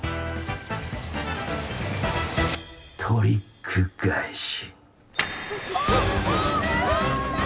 トリック返し！